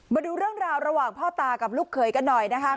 มาดูเรื่องราวระหว่างพ่อตากับลูกเขยกันหน่อยนะคะ